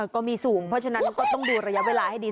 ก็มีสูงเพราะฉะนั้นก็ต้องดูระยะเวลาให้ดี